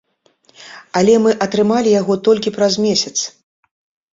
Але мы атрымалі яго толькі праз месяц.